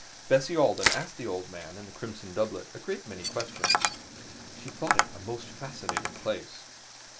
Bessie Alden asked the old man in the crimson doublet a great many questions; she thought it a most fascinating place.